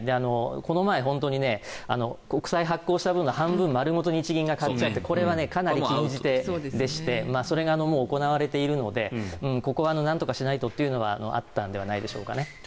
この前、本当に国債発行した分の半分丸ごと日銀が買っちゃってこれはかなり禁じ手でしてそれが行われているのでここはなんとかしないとというのはあったんではないでしょうか。